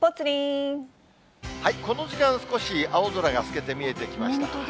この時間、少し青空が透けて見えてきました。